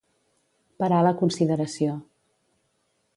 Parar la consideració.